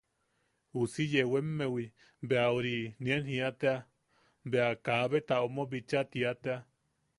Uusi yewemmewi bea... ori... nien jia tea bea kabeta omo bicha tia tea.